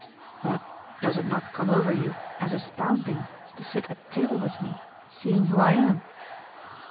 "But does it not come over you as astounding to sit at table with me, seeing who I am?"